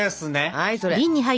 はいそれ！